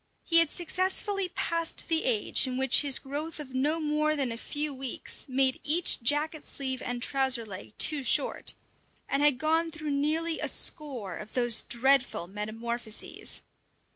He had successfully passed the age in which his growth of no more than a few weeks made each jacket sleeve and trouser leg too short, and had gone through nearly a score of those dreadful "metamorphoses."